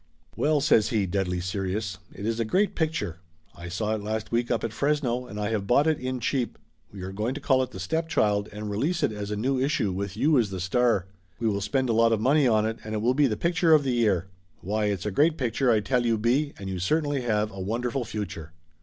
"Well," says he, deadly serious, "it is a great picture ! I saw it last week up at Fresno, and I have bought it in cheap. We are going to call it The Stepchild and release it as a new issue with you as the star. We will spend a lot of money on it, and it will be the picture of the year. Why, it's a great picture, I tell you, B., and you certainly have a wonderful future